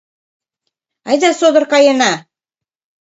Айда содор каена!